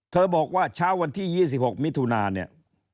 บอกว่าเช้าวันที่๒๖มิถุนาเนี่ย